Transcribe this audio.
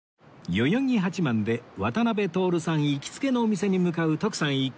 代々木八幡で渡辺徹さん行きつけのお店に向かう徳さん一行